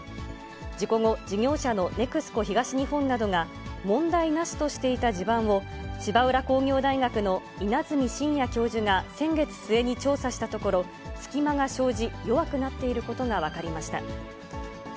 事故後、事業者のＮＥＸＣＯ東日本などが問題なしとしていた地盤を、芝浦工業大学の稲積真哉教授が先月末に調査したところ、隙間が生じ、弱くなっていることが分かりました。